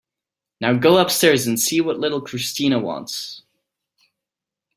Now go upstairs and see what little Christina wants.